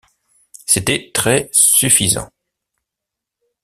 C’était très-suffisant.